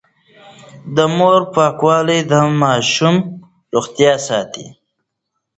د مور پاکوالی د ماشوم روغتيا ساتي.